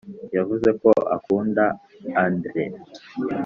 yavuze ko akunda adele